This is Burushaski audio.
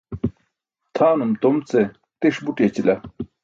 Tʰaanum tom ce tiṣ but yaćila.